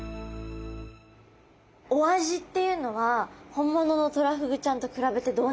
お味っていうのは本物のトラフグちゃんと比べてどうなんですか？